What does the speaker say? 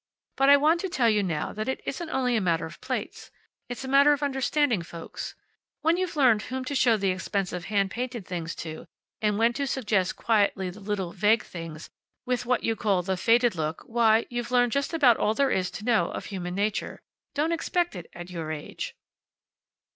But I want to tell you now that it isn't only a matter of plates. It's a matter of understanding folks. When you've learned whom to show the expensive hand painted things to, and when to suggest quietly the little, vague things, with what you call the faded look, why, you've learned just about all there is to know of human nature. Don't expect it, at your age."